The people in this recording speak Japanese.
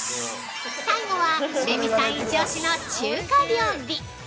◆最後は、レミさんイチ押しの中華料理！